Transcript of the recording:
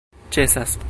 ĉesas